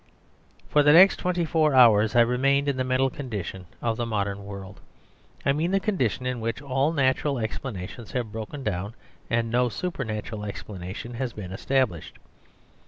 For the next twenty four hours I remained in the mental condition of the modern world. I mean the condition in which all natural explanations have broken down and no supernatural explanation has been established.